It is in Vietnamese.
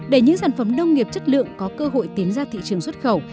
để những sản phẩm nông nghiệp chất lượng có cơ hội tiến ra thị trường xuất khẩu